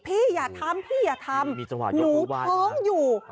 พี่อย่าทำพี่อย่าทำหนูท้องอยู่